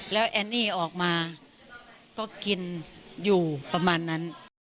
แล้วแอนนี่ออกมาก็กินอยู่ประมาณนั้น